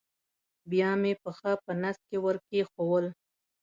بیا مې پښه په نس کې ور کېښوول.